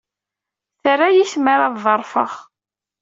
Terra-iyi tmara ad ḍerrfeɣ.